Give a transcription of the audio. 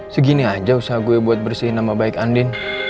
segini aja usaha gue buat bersihin nama baik andin